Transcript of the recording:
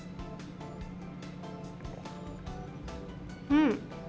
うん。